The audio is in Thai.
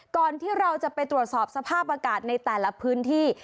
ก่อนที่เราจะไปตรวจสอบสภาพอากาศในแต่ละพื้นที่